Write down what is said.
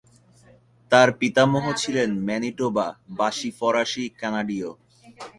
তার পিতামহ ছিলেন ম্যানিটোবা-বাসী ফরাসি-কানাডীয়।